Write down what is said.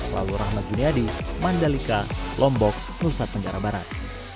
lalu rahmat juniadi mandalika lombok nusantara barat